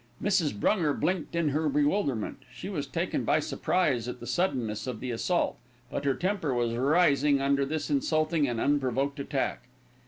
Mrs. Brunger blinked in her bewilderment. She was taken by surprise at the suddenness of the assault; but her temper was rising under this insulting and unprovoked attack.